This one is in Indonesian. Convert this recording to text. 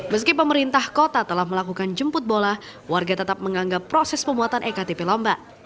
meski pemerintah kota telah melakukan jemput bola warga tetap menganggap proses pemuatan ektp lomba